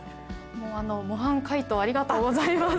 もう模範解答をありがとうございます。